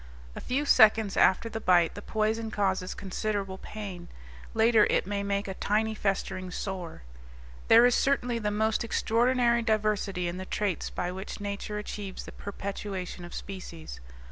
A few seconds after the bite the poison causes considerable pain; later it may make a tiny festering sore. There is certainly the most extraordinary diversity in the traits by which nature achieves the perpetuation of species.